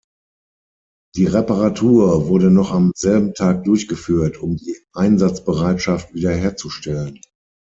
Die Reparatur wurde noch am selben Tag durchgeführt, um die Einsatzbereitschaft wiederherzustellen.